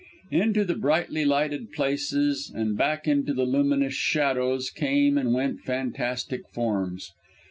Into the brightly lighted places and back into the luminous shadows came and went fantastic forms.